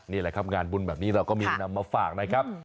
นี่แหละครับงานบุญแบบนี้เราก็มีนำมาฝากนะครับ